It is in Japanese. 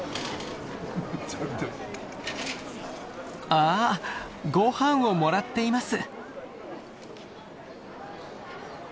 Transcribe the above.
ああ御飯をもらっています。